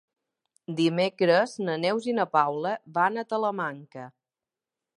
Dimecres na Neus i na Paula van a Talamanca.